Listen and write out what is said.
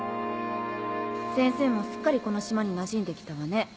先生もすっかりこの島になじんできたわね